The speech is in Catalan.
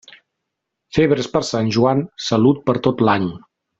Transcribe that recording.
Febres per Sant Joan, salut per tot l'any.